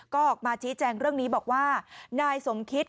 ก็ออกมาชี้แจงเรื่องนี้บอกว่านายสมคิต